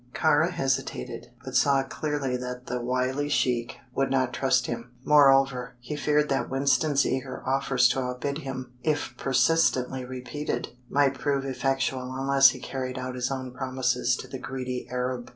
Kāra hesitated, but saw clearly that the wily sheik would not trust him. Moreover, he feared that Winston's eager offers to outbid him, if persistently repeated, might prove effectual unless he carried out his own promises to the greedy Arab.